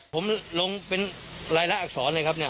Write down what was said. ผมลงเป็นรายละอักษรเลยครับเนี่ย